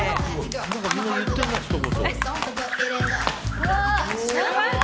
何かみんな言ってるな、ひと言。